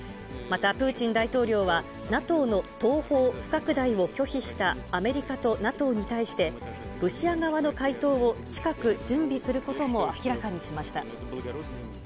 またプーチン大統領は、ＮＡＴＯの東方不拡大を拒否したアメリカとＮＡＴＯに対して、ロシア側の回答を近く準備することも明らかにしました。